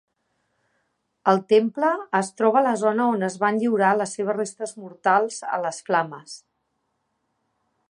El temple es troba a la zona on es van lliurar les seves restes mortals a les flames.